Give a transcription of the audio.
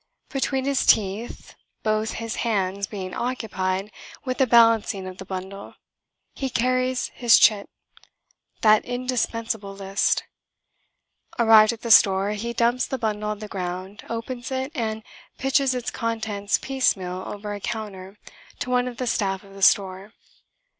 Between his teeth both his hands being occupied with the balancing of the bundle he carries his chit: that indispensable list. Arrived at the store he dumps the bundle on the ground, opens it, and pitches its contents piecemeal over a counter to one of the staff of the store.